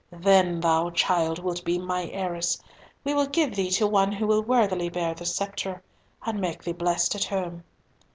Then thou, child, wilt be my heiress. We will give thee to one who will worthily bear the sceptre, and make thee blessed at home.